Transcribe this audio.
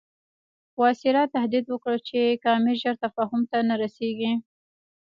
وایسرا تهدید وکړ چې که امیر ژر تفاهم ته نه رسیږي.